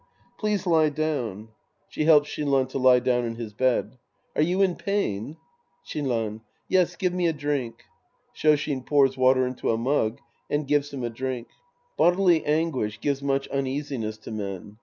Please He down. {She helps Shinran to lie down in his lied.) Are you in pain ? Shinran. Yes, give me a drink. (ShSshin fours water into a mug and gives him a drink.) Bodily anguish gives much uneasiness to men.